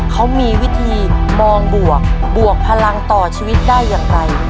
เขามีวิธีมองบวกบวกพลังต่อชีวิตได้อย่างไร